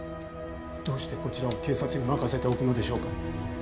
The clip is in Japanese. どうしてこちらを警察に任せておくのでしょうか？